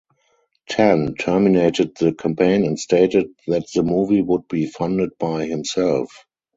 Tan terminated the campaign and stated that the movie would be funded by himself.